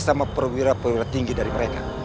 sama perwira perwira tinggi dari mereka